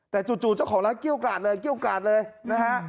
แต่จู่เจ้าของร้านเกี้ยวกาดเลยเกี้ยวกาดเลยนะฮะ